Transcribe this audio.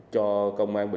cho công an bình dương